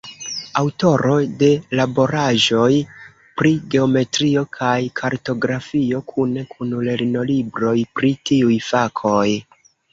Aŭtoro de laboraĵoj pri geometrio kaj kartografio kune kun lernolibroj pri tiuj fakoj.